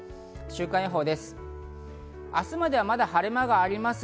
週間予報です。